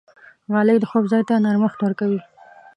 غالۍ د خوب ځای ته نرمښت ورکوي.